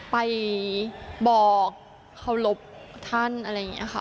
ไปบอกเคารพท่านอะไรอย่างนี้ค่ะ